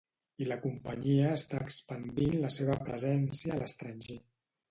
I la companyia està expandint la seva presència a l'estranger.